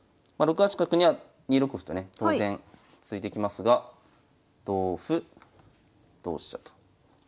八角には２六歩とね当然突いてきますが同歩同飛車と。